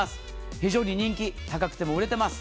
非常に人気が高くて売れています。